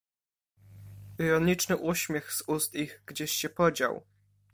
"Ironiczny uśmiech z ust ich gdzieś się podział."